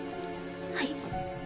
はい。